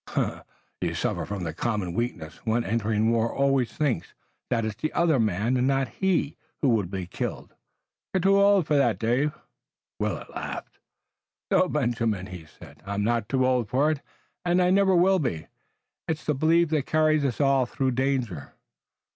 "You suffer from the common weakness. One entering war always thinks that it's the other man and not he who will be killed. You're too old for that, David." Willet laughed. "No, Benjamin," he said, "I'm not too old for it, and I never will be. It's the belief that carries us all through danger."